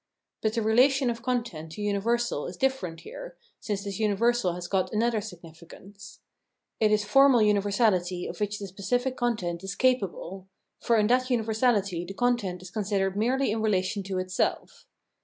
But the relation of content to universal is different here, since this universal has got another significance. It is jornml universality of which the specific consent' "is capable; for in that 418 Reason as Testing Laivs 419 universality the content is considered merely in rela tion to itself.